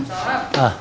masa depan aku